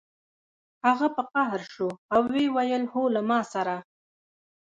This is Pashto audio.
هغه په قهر شو او ویې ویل هو له ما سره